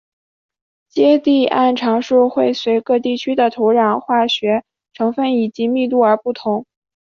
接地常数会随各地区的土壤化学成份以及密度而不同。